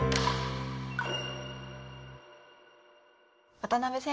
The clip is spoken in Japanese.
渡辺先生。